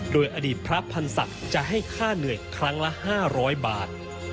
โดยอดีตพระพันธ์ศักดิ์จะให้ค่าเหนื่อยครั้งละ๕๐๐บาท